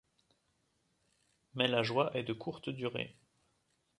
Mais la joie est de courte durée.